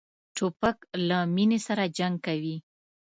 توپک له مینې سره جنګ کوي.